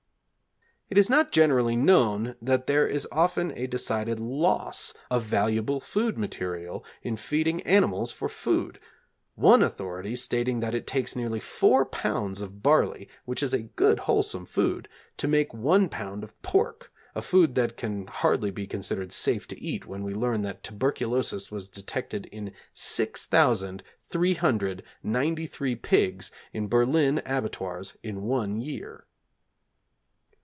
It is not generally known that there is often a decided loss of valuable food material in feeding animals for food, one authority stating that it takes nearly 4 lbs. of barley, which is a good wholesome food, to make 1 lb. of pork, a food that can hardly be considered safe to eat when we learn that tuberculosis was detected in 6,393 pigs in Berlin abattoirs in one year.